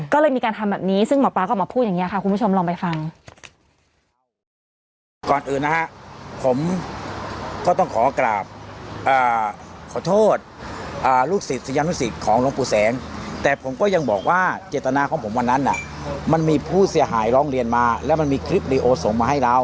ก็เลยมีการทำแบบนี้ซึ่งหมอปลาก็ออกมาพูดอย่างนี้ค่ะคุณผู้ชมลองไปฟัง